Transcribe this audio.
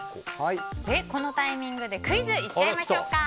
このタイミングでクイズいっちゃいましょうか。